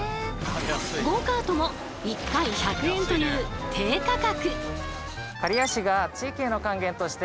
ゴーカートも１回１００円という低価格。